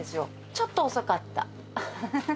ちょっと遅かった。